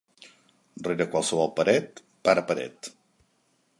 Rere qualsevol paret, pare paret.